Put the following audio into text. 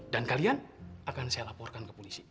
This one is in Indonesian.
dan kalian akan saya laporkan ke polisi